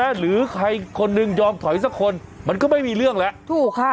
หรือใครคนหนึ่งยอมถอยสักคนมันก็ไม่มีเรื่องแล้วถูกค่ะ